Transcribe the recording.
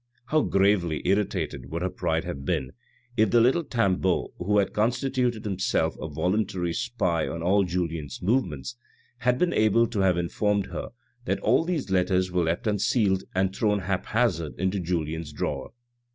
How gravely irritated would her pride have been if the little Tanbeau who had constituted himself a voluntary spy on all Julien's move ENNUI 429 ments had been able to have informed her that all these letters were left unsealed and thrown haphazard into Julien's drawer.